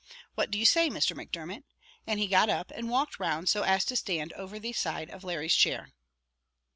What do you say, Mr. Macdermot?" And he got up and walked round so as to stand over the side of Larry's chair.